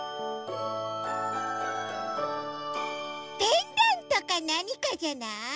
ペンダントかなにかじゃない？